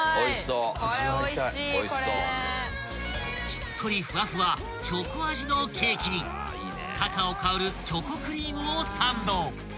［しっとりふわふわチョコ味のケーキにカカオ香るチョコクリームをサンド］